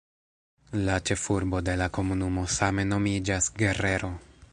La ĉefurbo de la komunumo same nomiĝas "Guerrero".